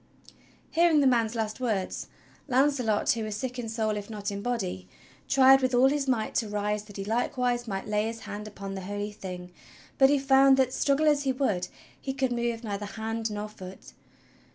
Hearing the man's last words, Launcelot, who was sick in soul if not in body, tried with all his might to rise that he likewise might lay his hand upon the Holy Thing; but he found that, struggle as he would, he could move neither hand nor foot.